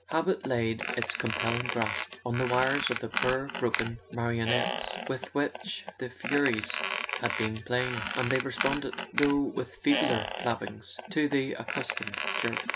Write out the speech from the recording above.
Habit laid its compelling grasp on the wires of the poor broken marionettes with which the Furies had been playing, and they responded, though with feebler flappings, to the accustomed jerk.